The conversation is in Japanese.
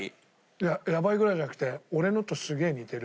いややばいぐらいじゃなくて俺のとすげえ似てる。